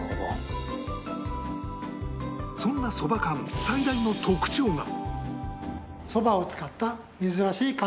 そんな蕎麦甘最大の特徴が